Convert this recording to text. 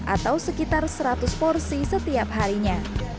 atau sekitar seratus porsi setiap harinya